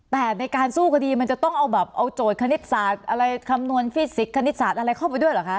แต่ในการสู้คดีมันจะต้องเอาแบบเอาโจทย์คณิตศาสตร์อะไรคำนวณฟิสิกสนิตศาสตร์อะไรเข้าไปด้วยเหรอคะ